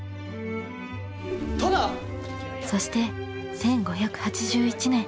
そして１５８１年。